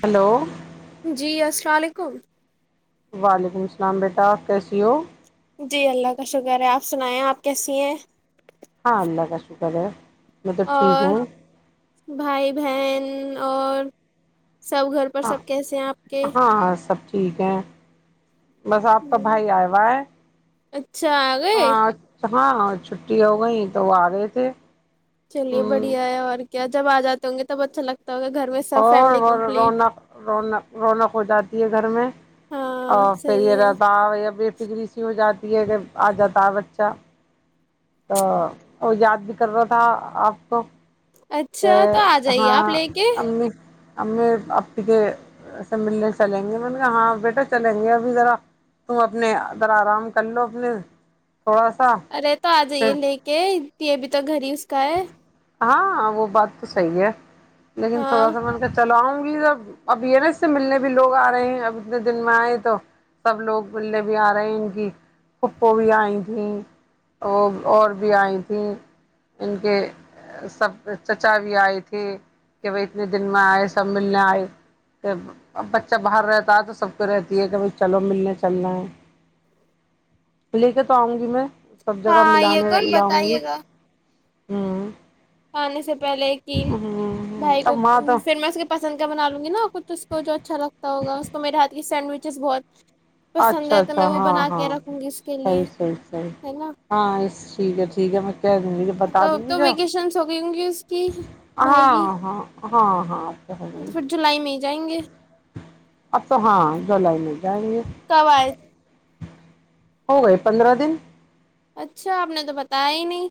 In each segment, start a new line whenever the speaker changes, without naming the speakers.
hello
جی السلام علیکم
وعلیکم السلام بیٹا آپ کیسی ہو
جی اللہ کا شکر ہے آپ سنائیں آپ کیسی ہیں
ہاں اللہ کا شکر ہے میں تو ٹھیک
اور
ہوں
بھائی بہن اور سب گھر پر
ہاں
سب کیسے ہیں آپ کے
ہاں سب ٹھیک ہے بس آپ کا
ہوں،
بھائی آئے ہوا ہے
اچھا آ گئے
ہاں اچھا ہاں چھٹی ہو گئی تو وہ آ گئی تھے
چلیے
ہوں،
بڑھیا ہے اور کیا جب ا جاتے ہوں گے تب اچھا لگ
اور اور رونق رونق رونق ہو جاتی ہے گھر میں
ہاں
اور پھر
صحیح
یہ
ہے
رباب ابھی فکری سی ہو جاتی ہے کہ آ جاتا ہے بچہ تو وہ یاد بھی کر رہا تھا آپ کو کہ
اچھا تو آ جائیے آپ
ہاں
لے کے
امی امی آپی کے سب ملنے چلیں گے مہینے کہا ہاں بیٹا چلیں گے ابھی ذرا تم اپنے ذرا آرام کر لو اپنے تھوڑا سا
ارے تو آ یہ
پھر
ل کہ پب تو گریس کا ہے
ہاں وہ بات تو صحیح ہے لیکن
ہاں
تھوڑا سا من کے چل آؤں [inaudible] ب اب ہے نا اس سے ملنے بھی لوگ آ رہے ہیں اب اتنے دن میں آئے تو سب لوگ ملنے بھی آ رہے ہیں ان کی کھپو بھی آئی تھی اور اور بھی آئی تھی ان کے سب چچا بھی آئے تھے کہ بھائی اتنے دن میں آئے سب ملنے آئے بچہ باہر رہتا ہے تو سب کو رہتی ہے کہ بھائی چلو ملنے چلنا ہے لے کے تو آؤں گی میں [inaudible] جگہ
ہاں کر بتائیے گا
ہاں
آنے سے پہلے کہ بھائی
اب
کو
وہاں تو
پھر میں اس کے پسند کا بنا لوں گی نا کچھ اس کو جو اچھا لگتا ہوگ اس کو میںاتی سینڈوئچز بہت پسند
اچھا
ہے تو
اچھا
میں وہ
ہاں
بنا کے
ہاں
رکھوں گی اس کے
سی
لیے
سیح سی
ہے نا
ہاں اس ٹھیک ہے ٹھیک ہے میں کہہ دوں گی بتا
تو
دوں گی
تو
جو
ویکیشنس ہوگئی ہوں گی اس کی بھائی کی
ہاں ہاں ہاں ہاں اب تو ہو گئی
پھر جولائی میں جائیں گے
اھا ہاں جول میں جیںے
کب آئے
ہو گئے پندرہ دن
اچھا آپ نے تو بتایا ہی نہیں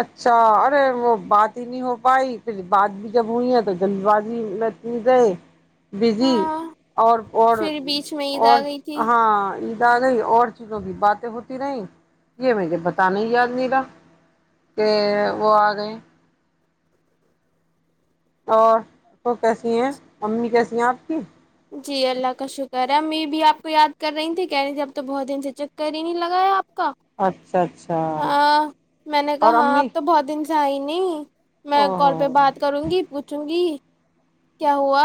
اچھا ارے وہ بات ہی نہیں ہو پائی پھر بات بھی جب ہوئی ہے تو جلد بازی میںتنی رہے بزی
ہاں
اور اور
پھر بیچ میں عید آ
اور
گئی تھی
ہاں دادی اور چیزوں کی باتیں ہوتی نہیں یہ مجھے بتانا یاد نہیںلا کہ وہ آ گئے اور کیسی ہیں امی کیسی ہیں آپ کی
جی اللہ کا شکر ہے میں بھی آپ کو یاد کر رہی تھی کہہ رہی تھی اب تو بہت دن سے چیک کر ہی نہیں لگا ہے آپ
اچھا اچھا
ہاں میں نے کہا
اور
ہاں
امی
اب تو بہت دن چائنی
او
میں کال پہ
ہو
بات کروں گی پوچھوں گی کیا ہوا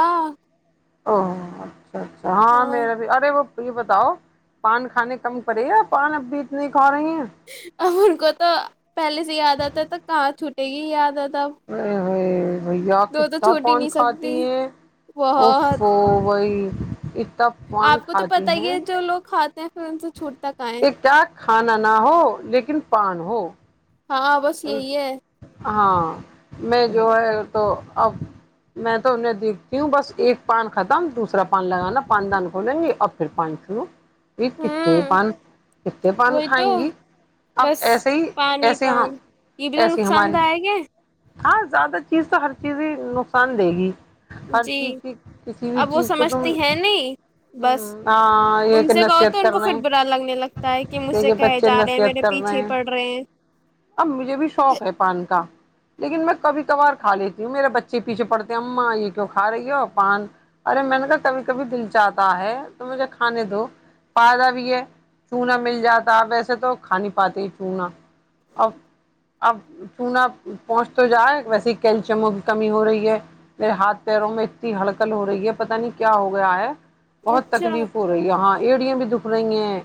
[unintelligible] اچھا ہاں میرا بھی ارے وہ تو یہ بتاؤ پان کھانے کم پڑے ا پان اب بھی اتنے کھا رہی ہیں
[unintelligible] یہی یاد آت
ارے بھائی بھیا
تو
کتنا
چھوٹ ہی
پون
نہیں
کھاتی
سکتی
ہیں
بہت
اوفو بھائی [inaudible]
[unintelligible] [inaudible]
ایک کھانا نہ ہو بس پان ہو [inaudible]
وہاں بس یہی ہے
ہم بھی تو میں تو یہ نہیں دیکھ رہا ہوں ایک پان ختم دوسرا پان ختم [inaudible] یہ کتنے
ہوں
پن کھائیں گے کتنے پن
وہی تو
کھائیں گے
بس
ایسے
پانی
ہی
پانی
[inaudible] ایسی
نقصان
ہماری
دائق ہیں [inaudible]
زیادہ تر تو ہر چیز ہی نقصان دی گئی
جی اب وہ
کو تم
سمجھتی نہیں نہیں بس
ہاں یہ
ان
کہ
سے کہوں
نصیحت کر
تو
رہے
پھر
ہیں
برا لگتا ہے
کہ
مجھ سے
یہ
کہے
بچے
جا رہے ہیں
نصیحت
میرے
کر
پیچھے
ہیں
پڑ رہے ہیں
اب مجھے بھی شوق ہے پان کھانے کا لیکن میں کبھی کبھی فادی ہوں میرے بچے پیچھے پڑھتے ہیں میں کبھی کبھی کھاتا ہوں کیوں نہ مل جائے ویسے تو کہہ نہیں پاتی جو نا [inaudible] اب چونا پہنچ تو جاؤ کیلشیم کی کمی ہو رہی ہے میری حالت میں اتنی ہلکڑ ہو رہی ہے پتہ نہیں کیا ہو گیا ہے [inaudible] بہت
اچھا
تکلیف ہو رہی ہے ایریا بھی دکھ رہی ہے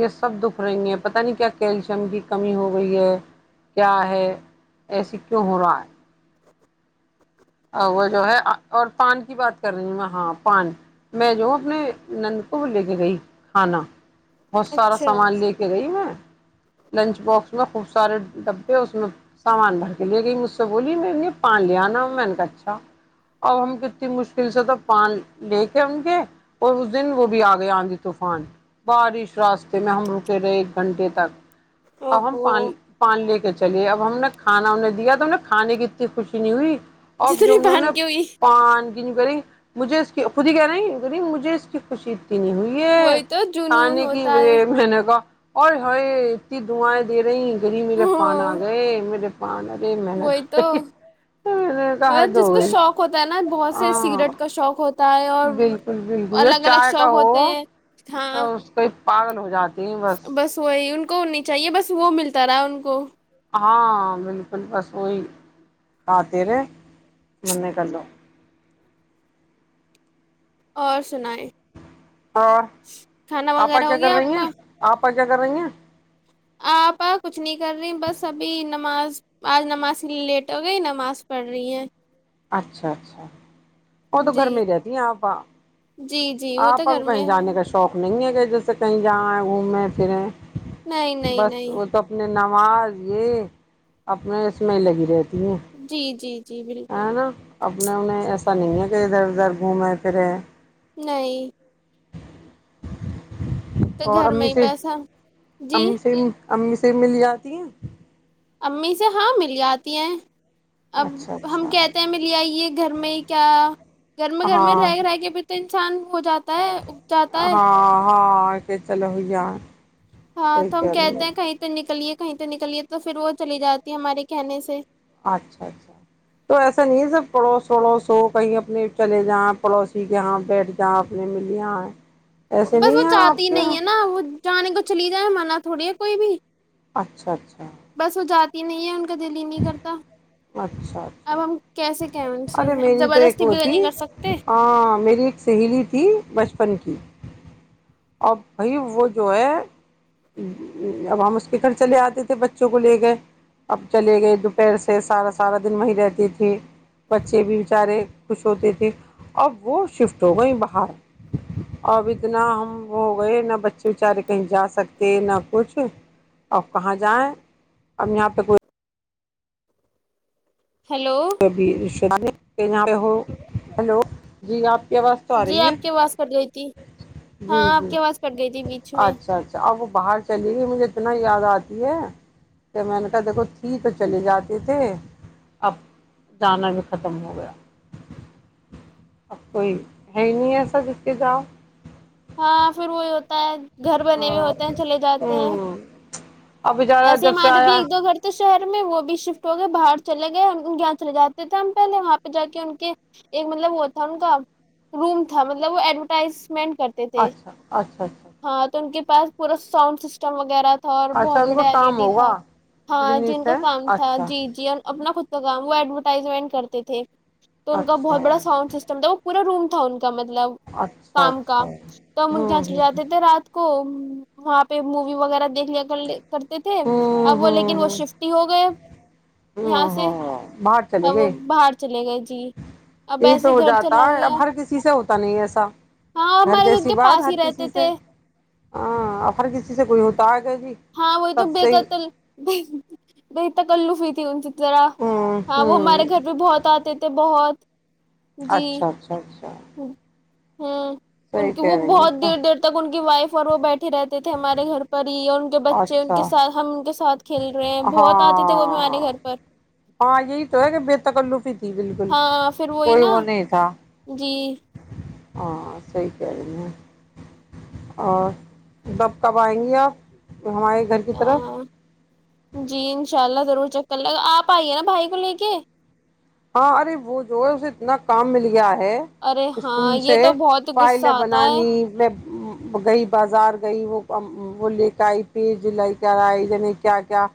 یہ سب دکھ رہی ہے پت نہیں کیا کیلشیم کی کمی کمی ہو گئی ہے کیا ہے ایسا کیوں ہو رہا ہے اب جو ہے ون کی بات کر رہی ہو پان میں جھوٹ نہیں [inaudible] وہ سارا
اچھا
سامان لے کے گئی میں نیٹ بلاکس میں ڈب بہت سارا سامان کی میں نے بولا پان لیا نا اچھا اب ہم وہ کتنی مشکل سے پڑھ لیں گے اور وہ اس دن بھی اگئے بارش رستے میں اگئی ہم گھنٹے رکے رہے [inaudible]
او
اب ہم
ہو
پان لے کے چلی اب ہمیں اتنی کھانے کی خوشی نہیں ہوئی جو
جتنی
ان
بہن کی ہوئی
لوگوں نے مجھے اس کی خوش [inaudible]
وہی تو جنون
پانی کی
ہوتا ہے
میں نے کہا [inaudible] اوئے ہوئے اتنی دوائی دے رہی کہ میرے پان
ہاں
اگئے [inaudible] [inaudible]
اندر جس کو
گئی
شوق ہوتا ہے نا
ہاں
سگریٹ کا شو
بالکل رائے کا
شوق
ہو
ہوتے
وہ
ہیں ہاں
ادمی پاگل ہو جاتا ہے
کوئی نہیں جائے بس وہ ملتا رہے ان کو
ہاں بالکل [inaudible]
اور سنائ
ہ آپا کیا
ہو
کر
گیا آپ
رہی ہیں
کا
آپ پ کیا کر رہی ہیں
آپ آ کچھ نہیں کر رہی بس ابھی نماز آج نماز کے لیے لیٹ ہو گئی نماز پڑھ رہی ہیں
اچھا اچھا وہ تو گھر
جی
میں ہی رہتی ہیں آپ
جی جی وہ تو
آپا کو
گھر میں
کہیں جانے
ہم
کا شوق نہیں ہے جیسے کہیں جااں ہے گھومے پھریں
نہیں نہیں
بس
نہیں
وہ تو اپنے نماز یہ اپنے اس میں لگی رہتی ہیں
جی جی جی بالکل
ہے نا اپنے انہنے ایسا نہیں ہے کہ ادھر ادھر گھومے پھرے
نہیں تو
اور
گھر میں
امی
ہی
سے
بس ہم جی
امی سے امی سے بھی مل جاتی ہیں
امی سے ہاں مل جاتی ہیں اب
اچھا
ہم
اچھا
کہتے ہیں ملے آئیے گھر میں ہی کیا گھر میں گھر میں
ہاں
رہ رہ کے بتے ہیں چند ہو جاتا ہے اگ جاتا ہے
آ کے چلو ہویا
ہاں تو ہم کہتے ہیں کہیں پہ نکلیے کہیں تو نکلیے تو پھر وہ چلی جاتی ہے ہمارے کہنے سے
اچھا اچھا تو ایسا نہیں ہے سب پڑوس پڑوس ہو کہیں اپنے چلے جا پڑوسی کےاں بیٹھ جااں اپنے مل یہ
بس وہ چاہتی ہی نہیں ہے نا وہ جان کو چلی جائے مرا تھوڑی ہے کوئی بھی
اچھا اچھا
تین
اچھا اچھا
اب ہم کیسے کہیں ان سے
ارے
اب
میری تو ایک
زبردستی
وہ
بھی
تھی
نہیں کر سکتے
ہ میری ایک سہیلی تھی بچپن کی اب بھائی وہ جو ہے اب ہم اس کے گھر چلے آتے تھے بچوں کو لے کے اب چلے گئے دوپہر سے سارا سارا دن وہیں رہتی تھی بچے بھی بچارے خوش ہوتے تھے اب وہ شفٹ ہو گئیں باہر اب اتنا ہم وہ ہو گئے نہ بچے وچارے کہیں جا سکتے نہ کچھ اب کہاں جائیں اب یہاں پہ کوئی
ہیلو
[unintelligible] ہو ہلو جی آپ کیا بس تو آ
جی
رہی ہے
آپ کی آواز کٹ گئی تھی ہاں
جی
آپ
جی
کی آواز کٹ گئی تھی بیچ میں
اچھا اچھا اب وہ باہر چلیےی مجھے اتنا یاد آ کہ میں نے کہا دیکھو تھی تو چلے جاتے تھے اب جانا بھی ختم ہو گیا اب کوئی ہے ہی نہیں ایسا د کے جاؤ
ہاں پھر وہی ہوتا ہوتا ہے گھر بنے ہوئے
ہاں
ہوتے ہیں چلے جاتے ہیں
ابھی ج رہا
ایسے
جب سے
ہمارے بھی
آیا
ایک دو گھر تھے شہر میں وہ بھی شفٹ ہو گئے باہر چلے گئے ان کے یہاں چلے جاتے تھے ہم پہلے وہاں پہ جا کے ان کے ایک مطلب وہ تھا ان کا روم تھا مطلب وہ ایڈورٹائزمنٹ کرتے تھے
اچھا اچھا اچھا
ہاں تو ان کے پاس پورا ساؤنڈ سسٹم وغیرہ
اچھا ان
تربت
کو
ایل
کام
ڈی تھا
ہوگا
ہاں ج ان
بزنس
کا
ہے
کام تھا
اچھا
جی جی اور اپنا کچھ وہ ایڈورٹائزمنٹ کرتے تھے تو ان کا
اچھا
بہت بڑا ساؤنڈ سسٹم تھا پورا رومٹ تھاون مطلب
اچھا
کام کا
اچھا
تو م
ہوں
گسلی
ہ
جاتی تھ رات کو وہاں پہ مووی وغیرہ دیکھ لیا کر ل کرتے تھے
ہوں
اب وہ لیکن وہ
ہوں
شفٹ ہی ہو گئے
ہ
یہاں سے
ہاں باہر چلے
اب وہ
گئے
باہر چلے گئے جی اب
یہی تو
ایسے
ہو
گھر
جاتا
چلا
ہے اب
گیا
ہر کسی سے ہوتا نہیں ایسا
ہاں ہمارے گھر کے پاس ہی رہتے تھے
ہاںفر کسی سے کوئی ہوتا ہے ری
ب ال ب تک ہوئیتی ان ذرا
ہ
ہاں وہ
ہوں
ہمارے گھر پہ بہت آتے تھے بہت
اچھا اچھا اچھا
ہاں ان
صحیح
کی وہ
کہہ رہی ہیں
بہت
تو
دیر دیر تک ان کی وائف اور وہ بیٹھے رہتے تھے ہمارے گھر پر ہی بچے ان کے
اچھا
ساتھ ہم ان کے ساتھ کھیل رہے ہیں بہت آتے تھے وہ بھی ہمارے
ہاں
گھر پر
ہاں یہی تو ہے کہ بےتکلوفی تھی بالک
ہاں پھر وہی نا جی
ہاں صحی کہہ رہی ہیں اور جب کب آئیں گی آپ ہمارے گھر کی طرف
جی انشاء اللہ ضرور چک کر لے گا آپ آئیے نا بھائی کو لے کے
ہاں ارے وہ جو ہے اسے اتنا کام مل گیا ہے ہے
ارے ہاں
اسکول سے
یہ تو بہت غصہ
فائلیں
آتا ہے
بنانی میں گئی بازار گئی وہ وہ لے کے آئی پیج لے کر آئے ع کیا کیا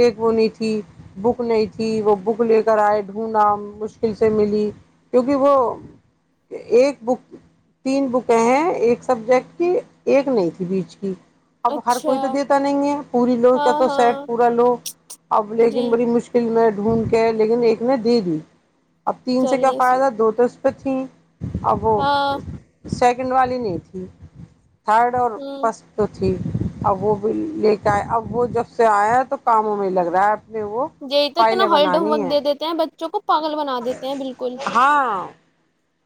ایک وہ نہیں تھی بک نہیں تھی وہ بک لے کر آئے نا مشکل سے ملی کیکہ وہ ایک بک تین بکیں ہیں ایک سبجیکٹ کی ایک نہیں تھی بیچ کی اب ہر
اچھا
کوئی تو دیتا نہیں ہے پوری لو
ہاں
کیا تو سیٹ
ہاں
پورا لو اب
جی
لیکن بڑی مشکل میں ڈھونڈ کے لیکن ایک میں دیدی اب تین سے کیا
چلیے سر
فائدہ دو تو پچ اب
ہاں
س سیکنڈ والی نہیں تھی تھرڈ اور
ہ
فس ج اب وہ بھی لے کے آئے اب وہ جب سے آیا ہے تو کاموں میں لگ رہا ہے اپنے وہ
جیت ت نا
فائلیں
ہلڈ
بنانی
ہوک دے د ہیں بچوں کو پاگل بنا دیتے ہیں بالکل
ہاں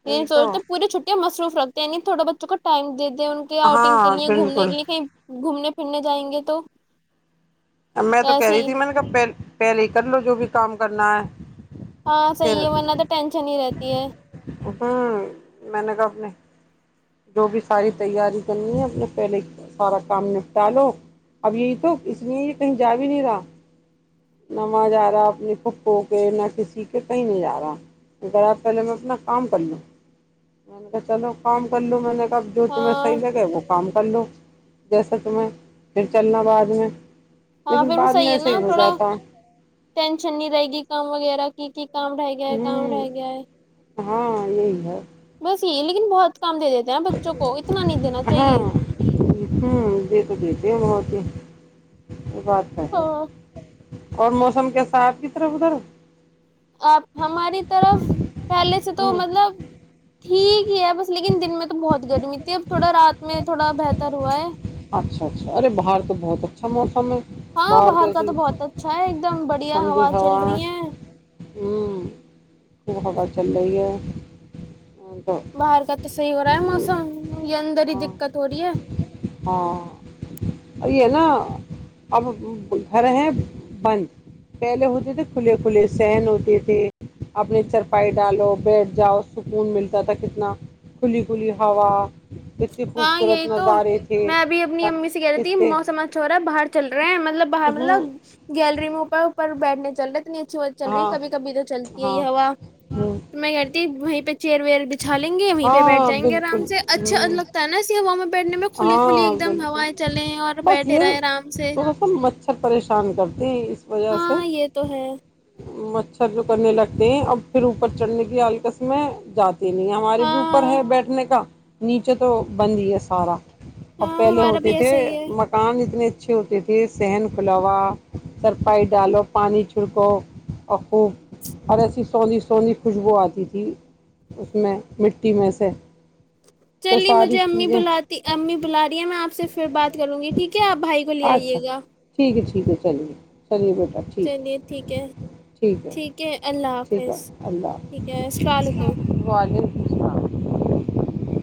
یہی
یہ
تو
سوچتے پوری چھٹیاں مصروف رکھتے عنی تھوڑا بچوں کا ٹائم د ان کے آؤٹنگ کے
ہاں
لیے گھومنے
بالکل
کے لیے کہ گھومنے پھرنے جائیں گے تو
میں تو کہہ
ایسے
رہی
ہی
تھی میں نے کہ پ پہلے ہی کر لو جو بھی کام کرنا ہے
ہاں
پھر
صحیح ہے ورنہ تو ٹینشن ہی رہتی ہے
ہوں میں نے کہ اپ نے جو بھی ساری تیاری کرنی ہے اپنے پہلے سارا کام نپٹا لو اب یہی تو اس لیے یہ کہیں جا بھی نہیں رہا نہ ماز آ رہا اپنی پھکو کے نہ کسی کے کہیں نہیں جا رہا کرا پہلے میں اپنا کام کر لوں چلو کام کر لو میں نے کب جو تمہیں
ہاں
صحگے وہ کام پ لو جیسے تمہیں پھر چلنا بعد میں
ہاں
لیکن
پھر وہ
بعد میں
صحیح ہے
ایسے
نا
ہی ہو
تھوڑا
جاتا
ٹینشن نہیں رہے گی کام وغیرہ کیک کام رہ گیا ہے کام
ہوں
رہ گیا ہے
ہاں یہی ہے
بس یہ لیکن بہت کام دے دیتے ہیں بچوں کو اتنا نہیں دینا
ہاں
چاہیے
کیا یہ بات تو ہے
ہاں
اور موسم کے ساتھ کی طرف ادھر
آپ ہماری طرف پہلے سے تو
ہوں
مطلب ٹھیک ہی بس لیکن دن میں تو بہت گرمی تھی اب تھوڑا رات میں تھوڑا بہتر ہوا ہے
اچھا اچھا ارے بر تو بہت اچھا موسم ہے
ہاں باہر کا تو بہت اچھا ہے ایک دم بڑھیا
ٹھنڈی
ہوا چل رہی
ہے
ہیں
چلے
باہر کا تو صحیح ہو رہا ہے موسم یہ اندر ہی
ہاں
دقت ہو رہی ہے
ہاں یہ نا اب گھر ہیں بند پہلے ہوتے تھے کھلے کھلے سہن ہوتے تھے اپنے چرپائی ڈالو بیٹھ جاؤ سکون ملتا تھا کتنا کھلی کھلی ہوا کتتی
ہاں
خوبصورت
یہی تو
نظار ہے
میں اب اپنی امی سے کہہ رہی تھی موسم اچھا ہو رہا ہے باہر چل رہے ہیں مطلب باہر
ہوں
مطلب گیلری میں اوپر اوپر بیٹھنے چل رہے تو نہیں اچھی ب چل رہی
ہاں
کبھی کبھی تو چلتی ہے
ہاں
یہ ہوا
ہوں
تو میں کہتی وہیں پہ چیر وییر بھی اچا لیں گےیں پہ
ہاں
بیٹھائیں گے آرام
بالکل
سے اھا اچھا
ہوں
لگتا ہے نا اس و
ہاں بالکل
اور
بس
بیٹھے
یہ
رہے آرام سے
تھوڑا سا مچھر پریشان کرتی جی
ہاں یہ تو ہے
مچھر جو کرنے لگتے ہیں اب پھر اوپر چڑھنے کی آالکسم میں جاتے نہیں ہمارے بھی اوپر
ہاں
ہے بیٹھنے کا نیچے تو بند ہی ہے اس اٹھارہ
ہاں
اب پہلے
ہمارا
ہوتے
بھی
تھے
ایسے ہی ہے
مکان اتنے اچھے ہوتے تھے صحن کھلاوا سرپائی ڈالو پانی چھڑکو اخوب ہ ایسی سونی سونی خوشبو آتی تھی اس میں مٹی میں سے تو
چلی
ساری
مجھے امی
چیزیں
بلاات تو امی بلا رہی ہیں میں آپ سے پھر بات کروں گی ٹھیک ہے آپ بھائی کو لے
اچھا
آئیے گا
ٹھیک ہے ٹھیک ہے چلیے چلیے بیٹا ٹھیک ہے
چلیے ٹھیک ہے ٹھیک ہے اللہ
ٹھیک
حافظ
ہے اللہ
ٹھیک ہے السلام علیکم
حافظ [unintelligible]